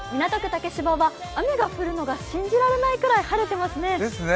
竹芝は雨が降るのが信じられないぐらい晴れていますね。